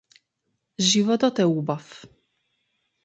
Животот е убав.